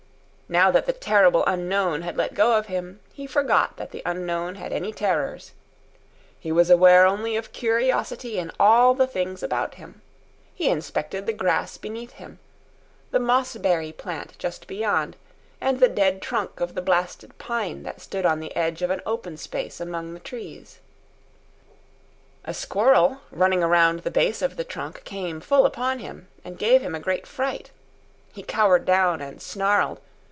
Now that the terrible unknown had let go of him, he forgot that the unknown had any terrors. He was aware only of curiosity in all the things about him. He inspected the grass beneath him, the moss berry plant just beyond, and the dead trunk of the blasted pine that stood on the edge of an open space among the trees. A squirrel, running around the base of the trunk, came full upon him, and gave him a great fright. He cowered down and snarled.